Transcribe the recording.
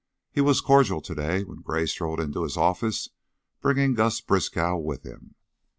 He was cordial to day when Gray strode into his office bringing Gus Briskow with him.